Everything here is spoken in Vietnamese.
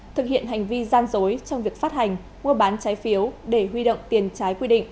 thực hiện hành vi gian dối trong việc phát hành mua bán trái phiếu để huy động tiền trái quy định